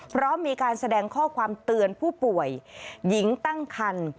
พร้อมมีการแสดงข้อความเตือนผู้ป่วยหญิงตั้งคัน